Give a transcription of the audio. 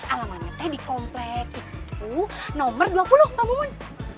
alamatnya teh dikomplek itu nomor dua puluh mbak mumun